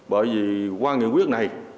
bởi vì qua nghị quyết này